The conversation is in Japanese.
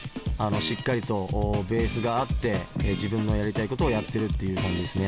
しっかりとベースがあって自分のやりたいことをやってるっていう感じですね。